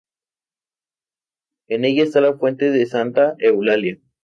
En ella está la fuente de Santa Eulalia.